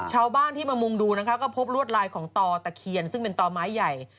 ชาวบ้านที่มามุงดูนะคะก็พบรวดลายของต่อตะเคียนซึ่งเป็นต่อไม้ใหญ่